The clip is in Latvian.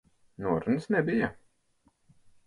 Norunas nebija.